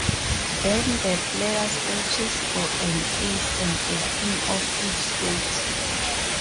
Then the player searches for an Ace and a King of each suit.